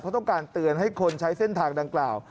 เพราะต้องการเตือนให้คนใช้เส้นทางดังกล่าว